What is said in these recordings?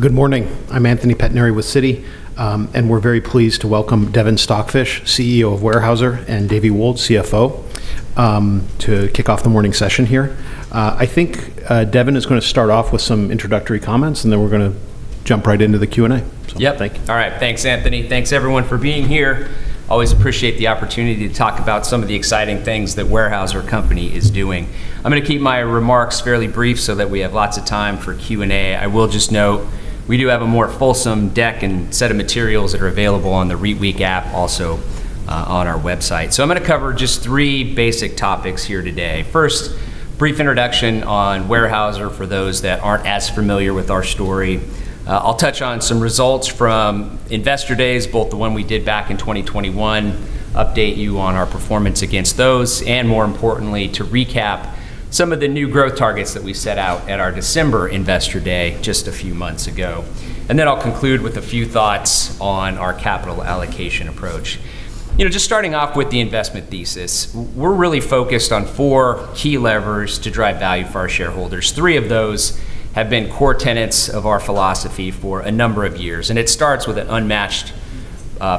Good morning. I'm Anthony Pettinari with Citi. We're very pleased to welcome Devin Stockfish, CEO of Weyerhaeuser, and David M. Wold, CFO, to kick off the morning session here. I think Devin is going to start off with some introductory comments, and then we're going to jump right into the Q&A. Yep. Thank you. All right. Thanks, Anthony. Thanks everyone for being here. Always appreciate the opportunity to talk about some of the exciting things that Weyerhaeuser Company is doing. I'm going to keep my remarks fairly brief so that we have lots of time for Q&A. I will just note, we do have a more fulsome deck and set of materials that are available on the REIT week app, also on our website. I'm going to cover just three basic topics here today. First, brief introduction on Weyerhaeuser for those that aren't as familiar with our story. I'll touch on some results from Investor Days, both the one we did back in 2021, update you on our performance against those, and more importantly, to recap some of the new growth targets that we set out at our December Investor Day just a few months ago. I'll conclude with a few thoughts on our capital allocation approach. Just starting off with the investment thesis. We're really focused on four key levers to drive value for our shareholders. Three of those have been core tenets of our philosophy for a number of years, and it starts with an unmatched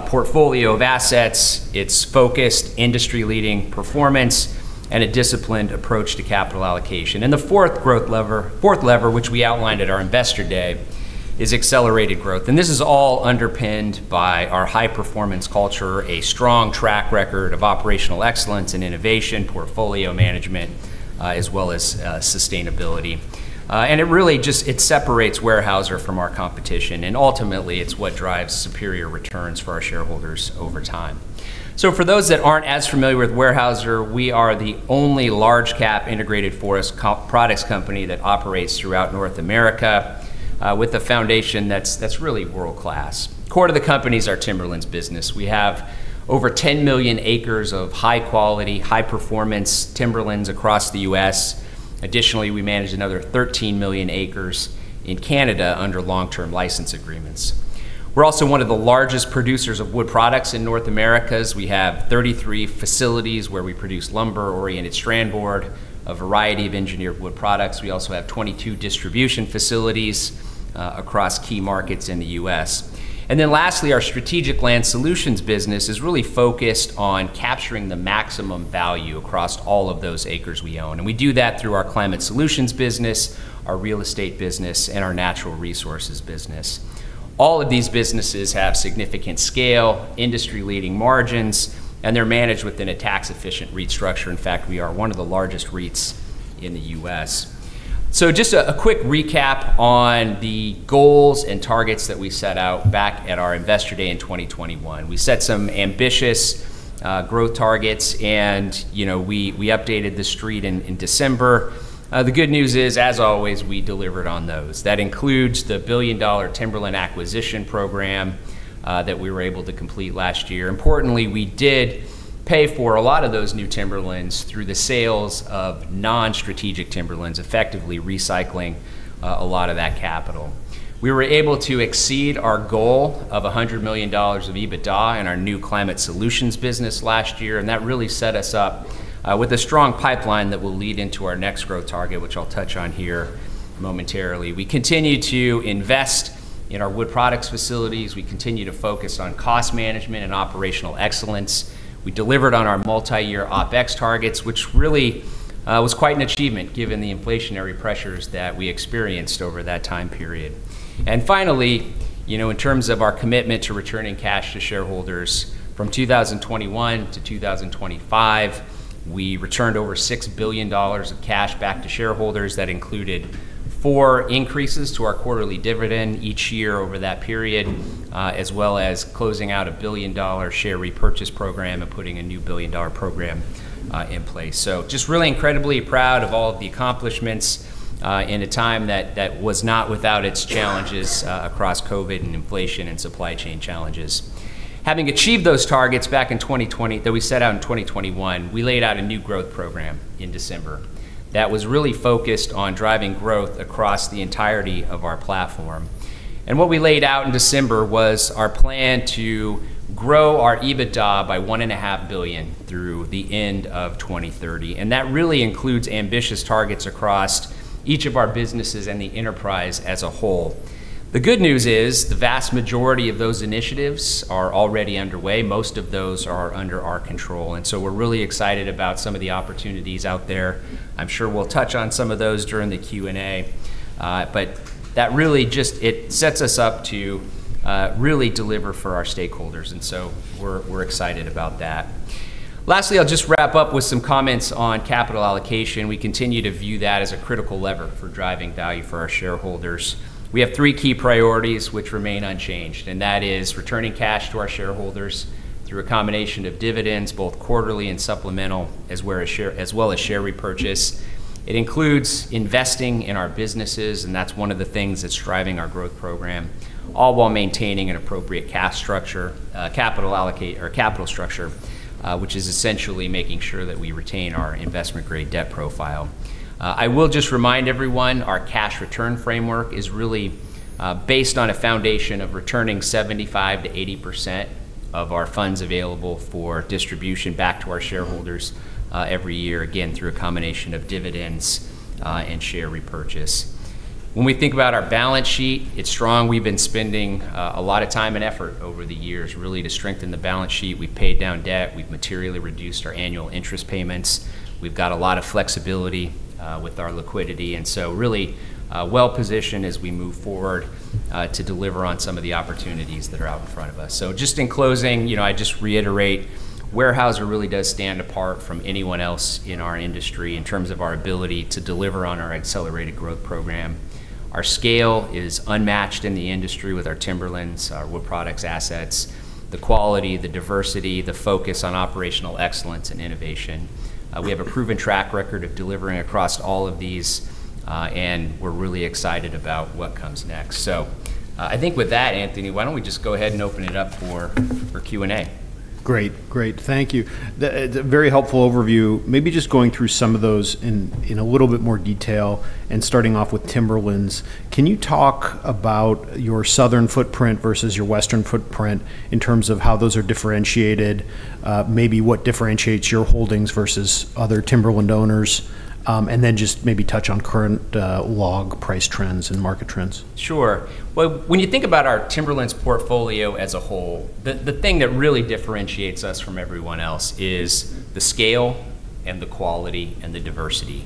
portfolio of assets, its focused industry-leading performance, and a disciplined approach to capital allocation. The fourth lever, which we outlined at our Investor Day, is accelerated growth. This is all underpinned by our high-performance culture, a strong track record of operational excellence and innovation, portfolio management, as well as sustainability. It really just separates Weyerhaeuser from our competition, and ultimately it's what drives superior returns for our shareholders over time. For those that aren't as familiar with Weyerhaeuser, we are the only large-cap integrated forest products company that operates throughout North America, with a foundation that's really world-class. Core to the company is our timberlands business. We have over 10 million acres of high-quality, high-performance timberlands across the U.S. Additionally, we manage another 13 million acres in Canada under long-term license agreements. We're also one of the largest producers of wood products in North America, as we have 33 facilities where we produce lumber, oriented strand board, a variety of engineered wood products. We also have 22 distribution facilities across key markets in the U.S. Lastly, our strategic land solutions business is really focused on capturing the maximum value across all of those acres we own. We do that through our climate solutions business, our real estate business, and our natural resources business. All of these businesses have significant scale, industry-leading margins, and they're managed within a tax-efficient REIT structure. In fact, we are one of the largest REITs in the U.S. Just a quick recap on the goals and targets that we set out back at our Investor Day in 2021. We set some ambitious growth targets, and we updated the Street in December. The good news is, as always, we delivered on those. That includes the billion-dollar timberland acquisition program that we were able to complete last year. Importantly, we did pay for a lot of those new timberlands through the sales of non-strategic timberlands, effectively recycling a lot of that capital. We were able to exceed our goal of $100 million of EBITDA in our new climate solutions business last year, and that really set us up with a strong pipeline that will lead into our next growth target, which I'll touch on here momentarily. We continue to invest in our wood products facilities. We continue to focus on cost management and operational excellence. We delivered on our multi-year OpEx targets, which really was quite an achievement given the inflationary pressures that we experienced over that time period. Finally, in terms of our commitment to returning cash to shareholders from 2021 to 2025, we returned over $6 billion of cash back to shareholders. That included four increases to our quarterly dividend each year over that period, as well as closing out a billion-dollar share repurchase program and putting a new billion-dollar program in place. Just really incredibly proud of all of the accomplishments in a time that was not without its challenges across COVID and inflation and supply chain challenges. Having achieved those targets back that we set out in 2021, we laid out a new growth program in December that was really focused on driving growth across the entirety of our platform. What we laid out in December was our plan to grow our EBITDA by $1.5 Billion through the end of 2030. That really includes ambitious targets across each of our businesses and the enterprise as a whole. The good news is the vast majority of those initiatives are already underway. Most of those are under our control, and so we're really excited about some of the opportunities out there. I'm sure we'll touch on some of those during the Q&A. That really just sets us up to really deliver for our stakeholders, we're excited about that. Lastly, I'll just wrap up with some comments on capital allocation. We continue to view that as a critical lever for driving value for our shareholders. We have three key priorities which remain unchanged, returning cash to our shareholders through a combination of dividends, both quarterly and supplemental, as well as share repurchase. It includes investing in our businesses, that's one of the things that's driving our growth program, all while maintaining an appropriate capital structure, which is essentially making sure that we retain our investment-grade debt profile. I will just remind everyone, our cash return framework is really based on a foundation of returning 75% to 80% of our funds available for distribution back to our shareholders every year, again, through a combination of dividends and share repurchase. When we think about our balance sheet, it's strong. We've been spending a lot of time and effort over the years really to strengthen the balance sheet. We've paid down debt. We've materially reduced our annual interest payments. We've got a lot of flexibility with our liquidity, and so really well-positioned as we move forward to deliver on some of the opportunities that are out in front of us. Just in closing, I just reiterate, Weyerhaeuser really does stand apart from anyone else in our industry in terms of our ability to deliver on our Accelerated Growth Program. Our scale is unmatched in the industry with our timberlands, our wood products assets, the quality, the diversity, the focus on operational excellence and innovation. We have a proven track record of delivering across all of these, and we're really excited about what comes next. I think with that, Anthony, why don't we just go ahead and open it up for Q&A? Great. Thank you. Very helpful overview. Maybe just going through some of those in a little bit more detail and starting off with timberlands. Can you talk about your southern footprint versus your western footprint in terms of how those are differentiated? Maybe what differentiates your holdings versus other timberland owners? Then just maybe touch on current log price trends and market trends. Sure. Well, when you think about our timberlands portfolio as a whole, the thing that really differentiates us from everyone else is the scale and the quality and the diversity.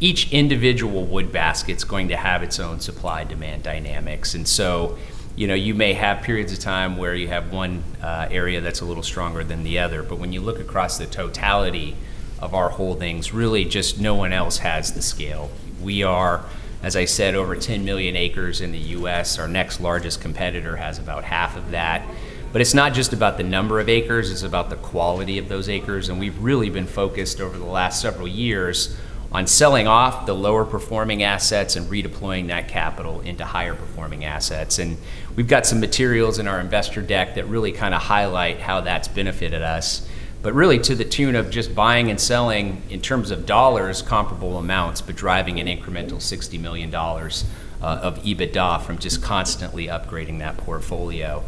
Each individual wood basket is going to have its own supply-demand dynamics, and so you may have periods of time where you have one area that's a little stronger than the other. When you look across the totality of our holdings, really just no one else has the scale. We are, as I said, over 10 million acres in the U.S. Our next largest competitor has about half of that. It's not just about the number of acres, it's about the quality of those acres, and we've really been focused over the last several years on selling off the lower-performing assets and redeploying that capital into higher-performing assets. We've got some materials in our investor deck that really kind of highlight how that's benefited us, but really to the tune of just buying and selling in terms of dollars, comparable amounts, but driving an incremental $60 million of EBITDA from just constantly upgrading that portfolio.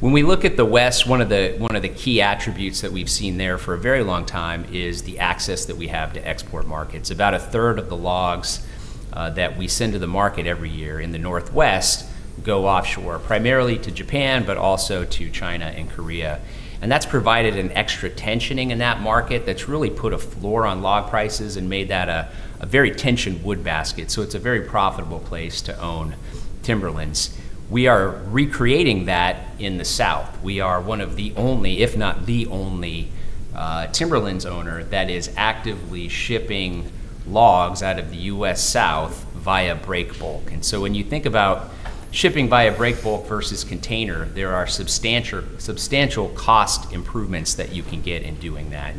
When we look at the West, one of the key attributes that we've seen there for a very long time is the access that we have to export markets. About a third of the logs that we send to the market every year in the Northwest go offshore, primarily to Japan, but also to China and Korea. That's provided an extra tensioning in that market that's really put a floor on log prices and made that a very tensioned wood basket. It's a very profitable place to own timberlands. We are recreating that in the South. We are one of the only, if not the only, timberlands owner that is actively shipping logs out of the U.S. South via break bulk. When you think about shipping via break bulk versus container, there are substantial cost improvements that you can get in doing that.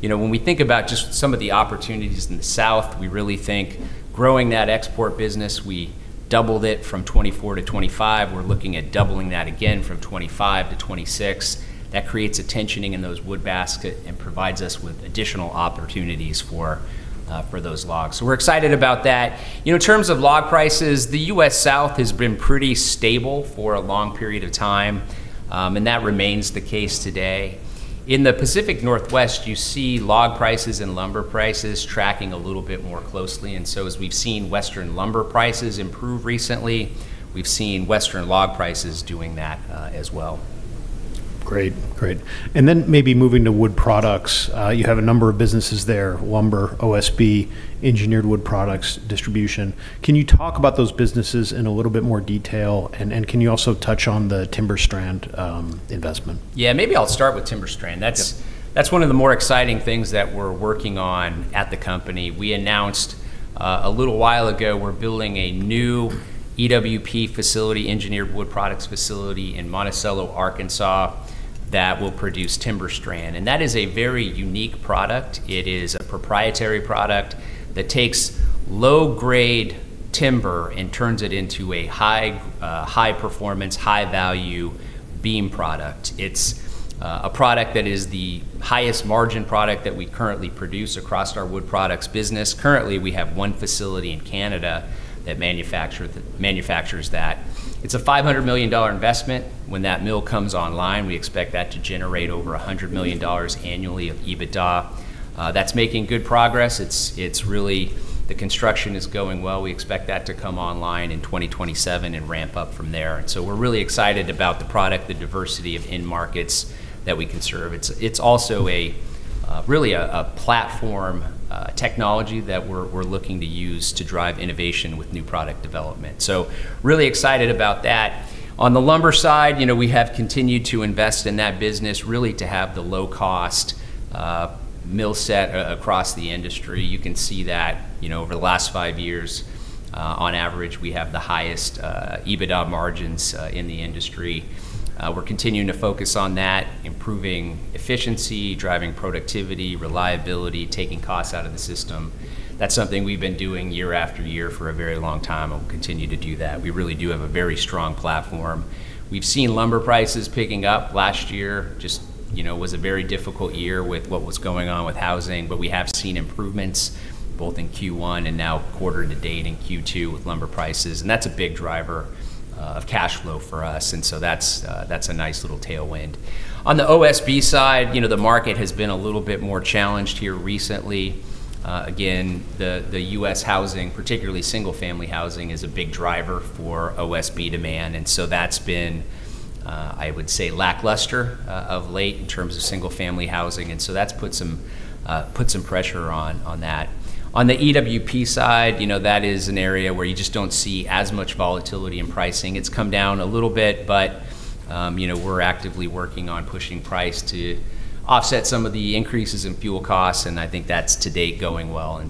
When we think about just some of the opportunities in the South, we really think growing that export business, we doubled it from 2024 to 2025. We're looking at doubling that again from 2025 to 2026. That creates a tensioning in those wood basket and provides us with additional opportunities for those logs. We're excited about that. In terms of log prices, the U.S. South has been pretty stable for a long period of time, and that remains the case today. In the Pacific Northwest, you see log prices and lumber prices tracking a little bit more closely. As we've seen Western lumber prices improve recently, we've seen Western log prices doing that as well. Great. Maybe moving to wood products. You have a number of businesses there, lumber, OSB, engineered wood products, distribution. Can you talk about those businesses in a little bit more detail? Can you also touch on the TimberStrand investment? Yeah. Maybe I'll start with TimberStrand. Okay. That's one of the more exciting things that we're working on at the company. We announced a little while ago, we're building a new EWP facility, engineered wood products facility in Monticello, Arkansas, that will produce TimberStrand. That is a very unique product. It is a proprietary product that takes low-grade timber and turns it into a high-performance, high-value beam product. It's a product that is the highest margin product that we currently produce across our wood products business. Currently, we have one facility in Canada that manufactures that. It's a $500 million investment. When that mill comes online, we expect that to generate over $100 million annually of EBITDA. That's making good progress. The construction is going well. We expect that to come online in 2027 and ramp up from there. We're really excited about the product, the diversity of end markets that we can serve. It's also really a platform technology that we're looking to use to drive innovation with new product development. Really excited about that. On the lumber side, we have continued to invest in that business really to have the low-cost mill set across the industry. You can see that over the last five years, on average, we have the highest EBITDA margins in the industry. We're continuing to focus on that, improving efficiency, driving productivity, reliability, taking costs out of the system. That's something we've been doing year after year for a very long time and will continue to do that. We really do have a very strong platform. We've seen lumber prices picking up. Last year just was a very difficult year with what was going on with housing. We have seen improvements both in Q1 and now quarter to date in Q2 with lumber prices. That's a big driver of cash flow for us. That's a nice little tailwind. On the OSB side, the market has been a little bit more challenged here recently. Again, the U.S. housing, particularly single-family housing, is a big driver for OSB demand. That's been, I would say, lackluster of late in terms of single-family housing. That's put some pressure on that. On the EWP side, that is an area where you just don't see as much volatility in pricing. It's come down a little bit. We're actively working on pushing price to offset some of the increases in fuel costs. I think that's to date going well.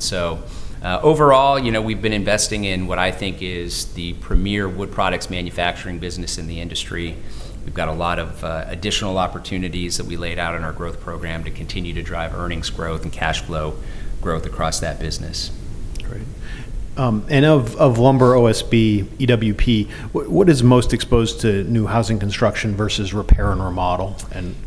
Overall, we've been investing in what I think is the premier wood products manufacturing business in the industry. We've got a lot of additional opportunities that we laid out in our growth program to continue to drive earnings growth and cash flow growth across that business. Of lumber OSB, EWP, what is most exposed to new housing construction versus repair and remodel?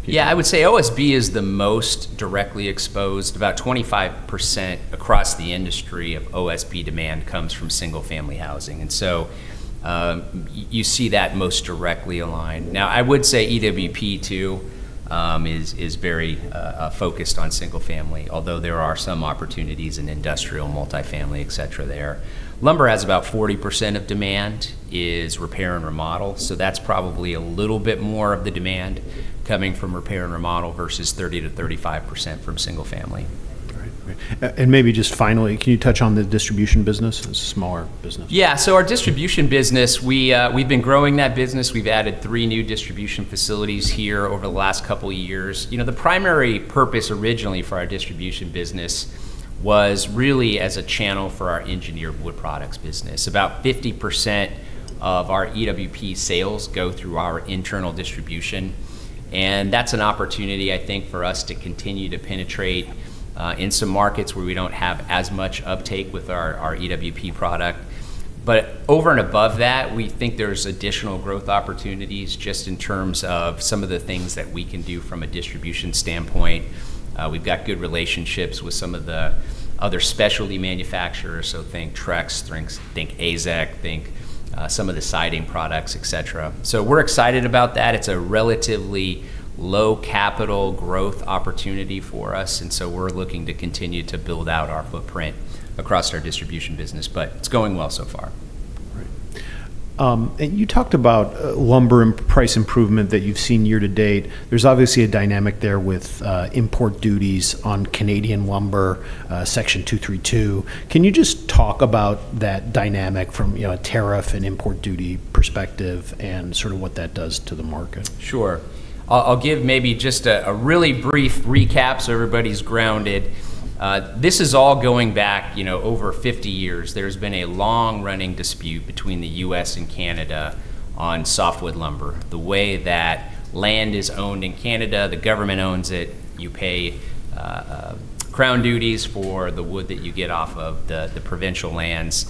Yeah, I would say OSB is the most directly exposed. About 25% across the industry of OSB demand comes from single family housing. You see that most directly aligned. Now, I would say EWP too is very focused on single family, although there are some opportunities in industrial, multifamily, et cetera there. Lumber has about 40% of demand is repair and remodel, so that's probably a little bit more of the demand coming from repair and remodel versus 30%-35% from single family. All right. Great. Maybe just finally, can you touch on the distribution business? The smaller business. Yeah. Our distribution business, we've been growing that business. We've added three new distribution facilities here over the last couple of years. The primary purpose originally for our distribution business was really as a channel for our engineered wood products business. About 50% of our EWP sales go through our internal distribution, and that's an opportunity, I think, for us to continue to penetrate in some markets where we don't have as much uptake with our EWP product. Over and above that, we think there's additional growth opportunities just in terms of some of the things that we can do from a distribution standpoint. We've got good relationships with some of the other specialty manufacturers, so think Trex, think AZEK, think some of the siding products, et cetera. We're excited about that. It's a relatively low capital growth opportunity for us, we're looking to continue to build out our footprint across our distribution business. It's going well so far. Great. You talked about lumber and price improvement that you've seen year to date. There's obviously a dynamic there with import duties on Canadian lumber, Section 232. Can you just talk about that dynamic from a tariff and import duty perspective and sort of what that does to the market? Sure. I'll give maybe just a really brief recap so everybody's grounded. This is all going back over 50 years. There's been a long-running dispute between the U.S. and Canada on softwood lumber. The way that land is owned in Canada, the government owns it. You pay crown duties for the wood that you get off of the provincial lands.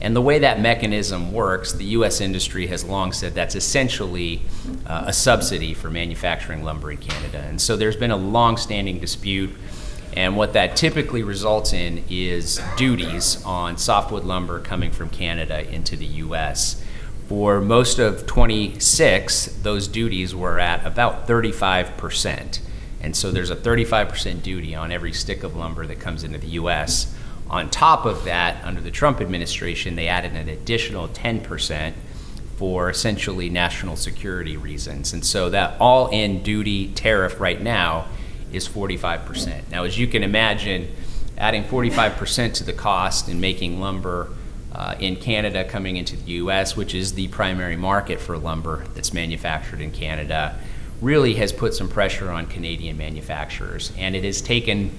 The way that mechanism works, the U.S. industry has long said that's essentially a subsidy for manufacturing lumber in Canada. There's been a long-standing dispute, what that typically results in is duties on softwood lumber coming from Canada into the U.S. For most of 2026, those duties were at about 35%, there's a 35% duty on every stick of lumber that comes into the U.S. On top of that, under the Trump administration, they added an additional 10% for essentially national security reasons. That all-in duty tariff right now is 45%. Now, as you can imagine, adding 45% to the cost in making lumber in Canada coming into the U.S., which is the primary market for lumber that's manufactured in Canada, really has put some pressure on Canadian manufacturers. It has taken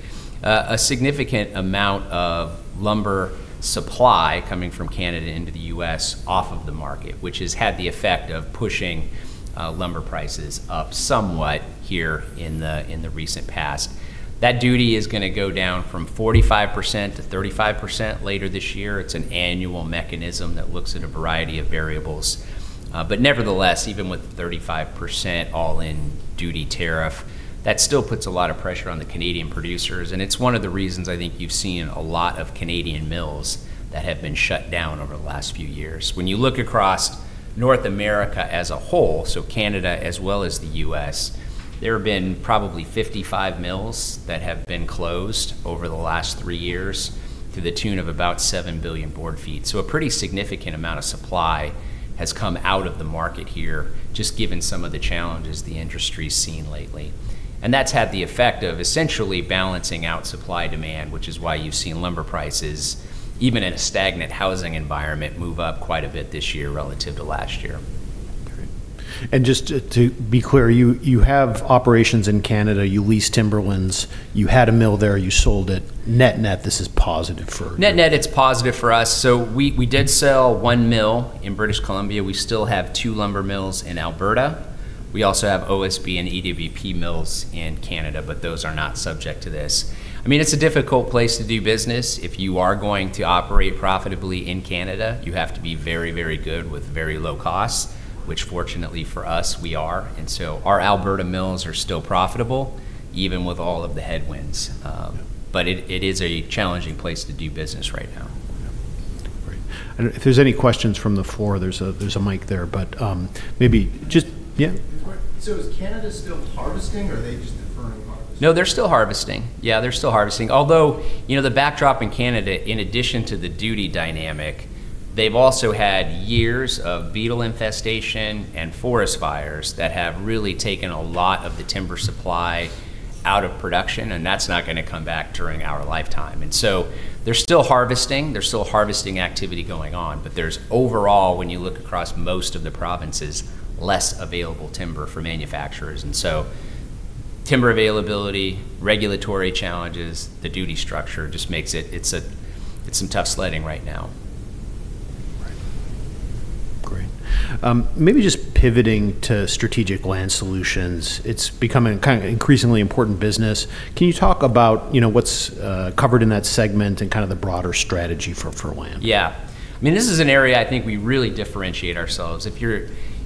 a significant amount of lumber supply coming from Canada into the U.S. off of the market, which has had the effect of pushing lumber prices up somewhat here in the recent past. That duty is going to go down from 45% to 35% later this year. It's an annual mechanism that looks at a variety of variables. Nevertheless, even with 35% all-in duty tariff, that still puts a lot of pressure on the Canadian producers, and it's one of the reasons I think you've seen a lot of Canadian mills that have been shut down over the last three years. When you look across North America as a whole, so Canada as well as the U.S., there have been probably 55 mills that have been closed over the last three years to the tune of about seven billion board feet. A pretty significant amount of supply has come out of the market here, just given some of the challenges the industry's seen lately. That's had the effect of essentially balancing out supply-demand, which is why you've seen lumber prices, even in a stagnant housing environment, move up quite a bit this year relative to last year. Great. Just to be clear, you have operations in Canada. You lease timberlands. You had a mill there. You sold it. Net-net, this is positive for- Net-net, it's positive for us. We did sell one mill in British Columbia. We still have two lumber mills in Alberta. We also have OSB and EWP mills in Canada, those are not subject to this. It's a difficult place to do business. If you are going to operate profitably in Canada, you have to be very good with very low costs, which fortunately for us, we are. Our Alberta mills are still profitable even with all of the headwinds. It is a challenging place to do business right now. Yeah. Great. If there's any questions from the floor, there's a mic there. Maybe just Yeah? Quick. Is Canada still harvesting, or are they just deferring harvest? No, they're still harvesting. Yeah, they're still harvesting. Although, the backdrop in Canada, in addition to the duty dynamic, they've also had years of beetle infestation and forest fires that have really taken a lot of the timber supply out of production, and that's not going to come back during our lifetime. They're still harvesting, there's still harvesting activity going on, but there's overall, when you look across most of the provinces, less available timber for manufacturers. Timber availability, regulatory challenges, the duty structure just makes it some tough sledding right now. Just pivoting to Strategic Land Solutions. It's becoming kind of increasingly important business. Can you talk about what's covered in that segment and kind of the broader strategy for land? Yeah. This is an area I think we really differentiate ourselves.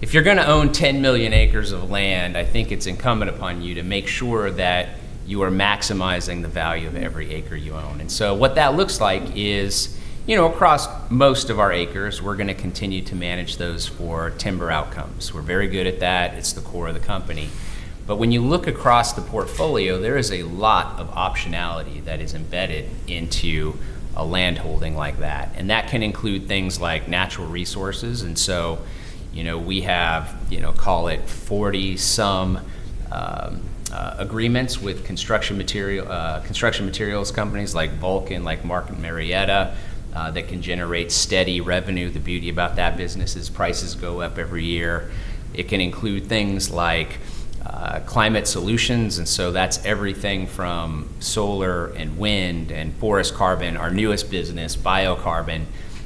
If you're going to own 10 million acres of land, I think it's incumbent upon you to make sure that you are maximizing the value of every acre you own. What that looks like is across most of our acres, we're going to continue to manage those for timber outcomes. We're very good at that. It's the core of the company. When you look across the portfolio, there is a lot of optionality that is embedded into a land holding like that, and that can include things like natural resources. We have call it 40 some agreements with construction materials companies like Vulcan, like Martin Marietta, that can generate steady revenue. The beauty about that business is prices go up every year. It can include things like climate solutions, that's everything from solar and wind and forest carbon, our newest business, biocarbon.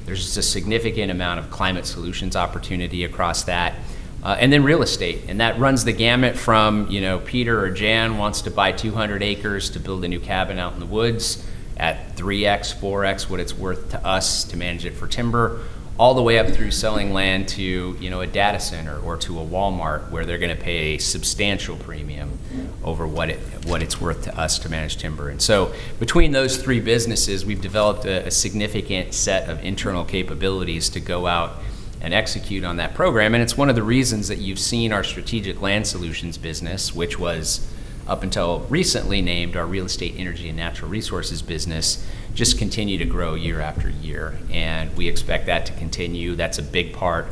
There's just a significant amount of climate solutions opportunity across that. Real estate, that runs the gamut from Peter or Jan wants to buy 200 acres to build a new cabin out in the woods at 3X, 4X what it's worth to us to manage it for timber, all the way up through selling land to a data center or to a Walmart, where they're going to pay a substantial premium over what it's worth to us to manage timber. Between those three businesses, we've developed a significant set of internal capabilities to go out and execute on that program. It's one of the reasons that you've seen our Strategic Land Solutions business, which was up until recently named our Real Estate Energy and Natural Resources business, just continue to grow year after year. We expect that to continue. That's a big part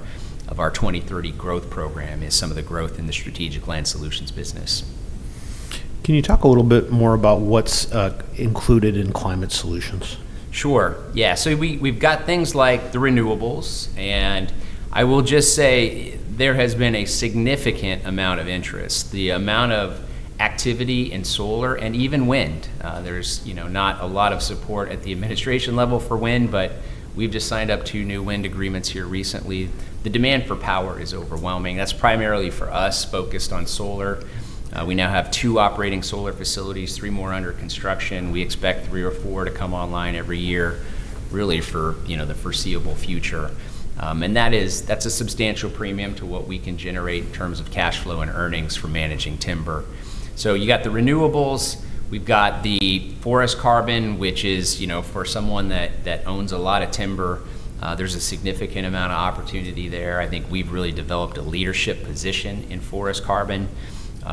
of our 2030 Growth Program is some of the growth in the Strategic Land Solutions business. Can you talk a little bit more about what's included in climate solutions? Sure. Yeah. We've got things like the renewables, and I will just say there has been a significant amount of interest. The amount of activity in solar and even wind. There's not a lot of support at the administration level for wind, but we've just signed up two new wind agreements here recently. The demand for power is overwhelming. That's primarily for us focused on solar. We now have two operating solar facilities, three more under construction. We expect three or four to come online every year, really for the foreseeable future. That's a substantial premium to what we can generate in terms of cash flow and earnings from managing timber. You got the renewables, we've got the forest carbon, which is for someone that owns a lot of timber there's a significant amount of opportunity there. I think we've really developed a leadership position in forest carbon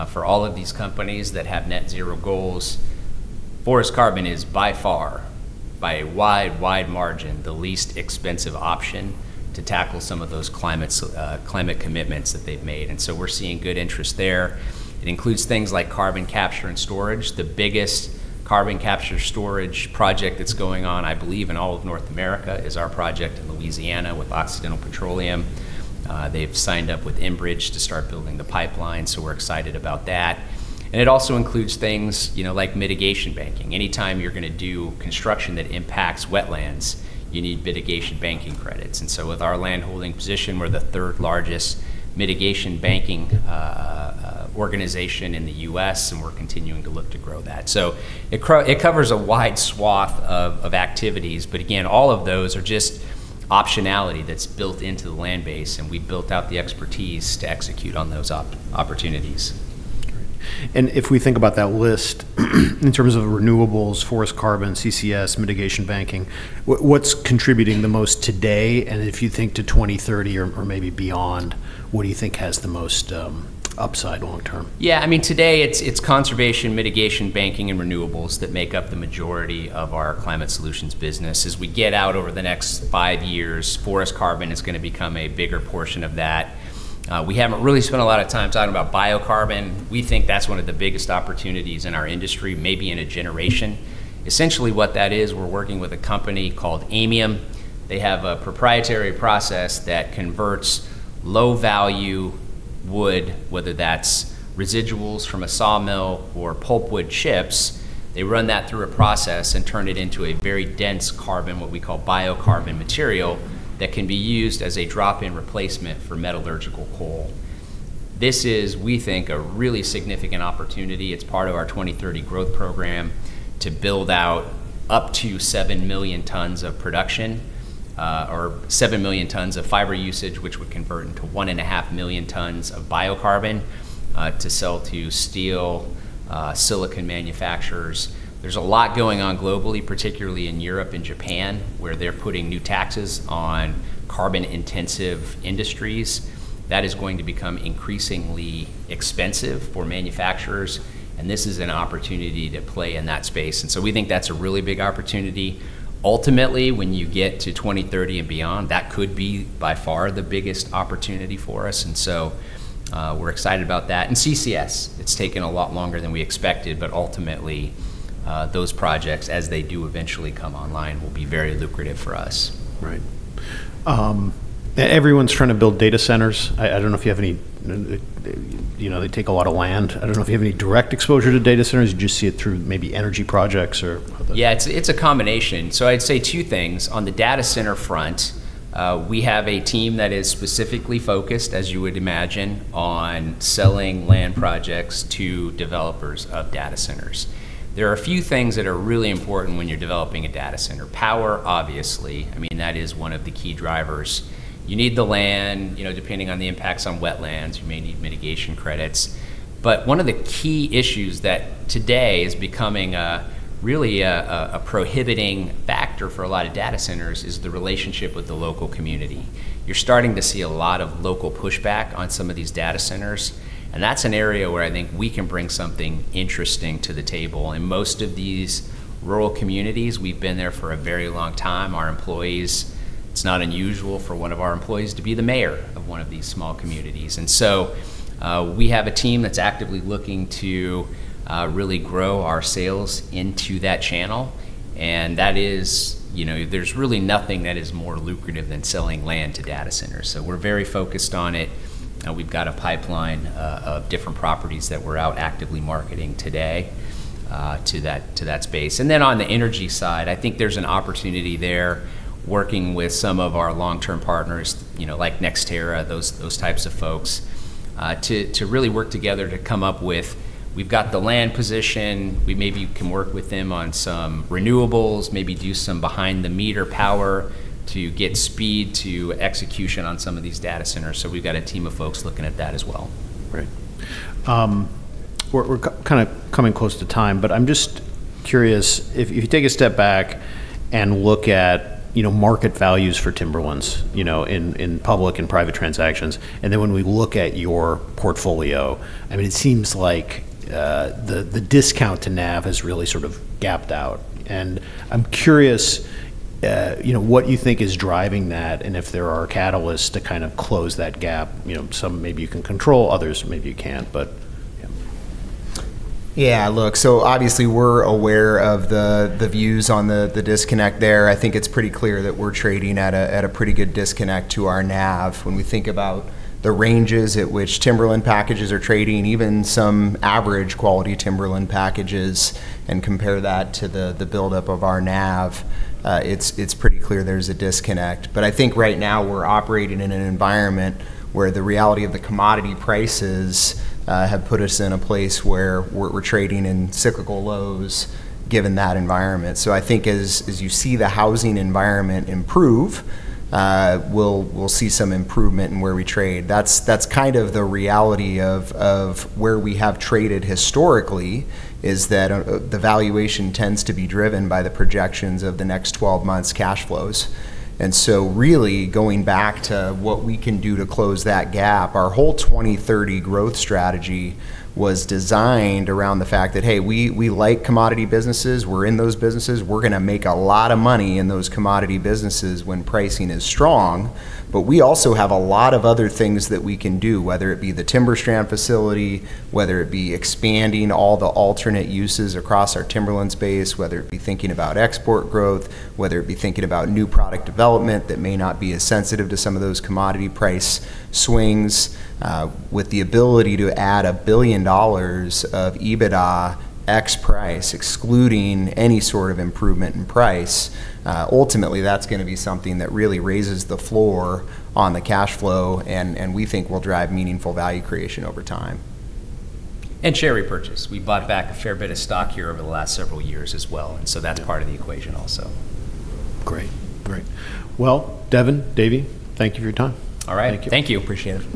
for all of these companies that have net zero goals. Forest carbon is by far, by a wide margin, the least expensive option to tackle some of those climate commitments that they've made. We're seeing good interest there. It includes things like carbon capture and storage. The biggest carbon capture storage project that's going on, I believe, in all of North America is our project in Louisiana with Occidental Petroleum. They've signed up with Enbridge to start building the pipeline, so we're excited about that. It also includes things like mitigation banking. Anytime you're going to do construction that impacts wetlands, you need mitigation banking credits. With our landholding position, we're the third largest mitigation banking organization in the U.S., and we're continuing to look to grow that. It covers a wide swath of activities, but again, all of those are just optionality that's built into the land base, and we built out the expertise to execute on those opportunities. Great. If we think about that list in terms of renewables, forest carbon, CCS, mitigation banking, what's contributing the most today, and if you think to 2030 or maybe beyond, what do you think has the most upside long term? Yeah, today it's conservation, mitigation banking, and renewables that make up the majority of our climate solutions business. As we get out over the next five years, forest carbon is going to become a bigger portion of that. We haven't really spent a lot of time talking about biocarbon. We think that's one of the biggest opportunities in our industry, maybe in a generation. Essentially what that is, we're working with a company called Aymium. They have a proprietary process that converts low-value wood, whether that's residuals from a sawmill or pulpwood chips. They run that through a process and turn it into a very dense carbon, what we call biocarbon material, that can be used as a drop-in replacement for metallurgical coal. This is, we think, a really significant opportunity. It's part of our 2030 growth program to build out up to 7 million tons of production, or 7 million tons of fiber usage, which would convert into 1.5 million tons of biocarbon to sell to steel, silicon manufacturers. There's a lot going on globally, particularly in Europe and Japan, where they're putting new taxes on carbon-intensive industries. That is going to become increasingly expensive for manufacturers, and this is an opportunity to play in that space. We think that's a really big opportunity. Ultimately, when you get to 2030 and beyond, that could be by far the biggest opportunity for us. We're excited about that. CCS, it's taken a lot longer than we expected, but ultimately, those projects, as they do eventually come online, will be very lucrative for us. Right. Everyone's trying to build data centers. They take a lot of land. I don't know if you have any direct exposure to data centers. Do you just see it through maybe energy projects or other- It's a combination. I'd say two things. On the data center front, we have a team that is specifically focused, as you would imagine, on selling land projects to developers of data centers. There are a few things that are really important when you're developing a data center. Power, obviously, that is one of the key drivers. You need the land. Depending on the impacts on wetlands, you may need mitigation credits. One of the key issues that today is becoming really a prohibiting factor for a lot of data centers is the relationship with the local community. You're starting to see a lot of local pushback on some of these data centers, and that's an area where I think we can bring something interesting to the table. In most of these rural communities, we've been there for a very long time. It's not unusual for one of our employees to be the mayor of one of these small communities. We have a team that's actively looking to really grow our sales into that channel. There's really nothing that is more lucrative than selling land to data centers. We're very focused on it, and we've got a pipeline of different properties that we're out actively marketing today to that space. On the energy side, I think there's an opportunity there working with some of our long-term partners like NextEra, those types of folks, to really work together. We've got the land position. We maybe can work with them on some renewables, maybe do some behind-the-meter power to get speed to execution on some of these data centers. We've got a team of folks looking at that as well. Right. We're coming close to time, but I'm just curious. If you take a step back and look at market values for timberlands in public and private transactions, and then when we look at your portfolio, it seems like the discount to NAV has really sort of gapped out. I'm curious what you think is driving that and if there are catalysts to kind of close that gap. Some maybe you can control, others maybe you can't. Yeah, look, obviously we're aware of the views on the disconnect there. I think it's pretty clear that we're trading at a pretty good disconnect to our NAV. When we think about the ranges at which timberland packages are trading, even some average quality timberland packages, and compare that to the buildup of our NAV, it's pretty clear there's a disconnect. I think right now we're operating in an environment where the reality of the commodity prices have put us in a place where we're trading in cyclical lows given that environment. I think as you see the housing environment improve, we'll see some improvement in where we trade. That's kind of the reality of where we have traded historically is that the valuation tends to be driven by the projections of the next 12 months' cash flows. Really going back to what we can do to close that gap, our whole 2030 growth strategy was designed around the fact that, hey, we like commodity businesses. We're in those businesses. We're going to make a lot of money in those commodity businesses when pricing is strong. We also have a lot of other things that we can do, whether it be the TimberStrand facility, whether it be expanding all the alternate uses across our timberland space, whether it be thinking about export growth, whether it be thinking about new product development that may not be as sensitive to some of those commodity price swings. With the ability to add $1 billion of EBITDA ex price, excluding any sort of improvement in price, ultimately that's going to be something that really raises the floor on the cash flow and we think will drive meaningful value creation over time. Share repurchase. We bought back a fair bit of stock here over the last several years as well, and so that's part of the equation also. Great. Well, Devin, Davey, thank you for your time. All right. Thank you. Appreciate it.